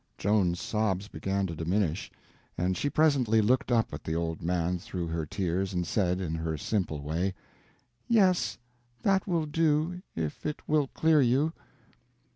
Joan's sobs began to diminish, and she presently looked up at the old man through her tears, and said, in her simple way: "Yes, that will do—if it will clear you."